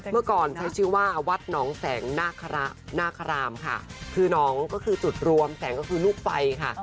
เมื่อก่อนใช้ชื่อว่าวัดหนองแสงนาครามค่ะคือน้องก็คือจุดรวมแสงก็คือลูกไฟค่ะ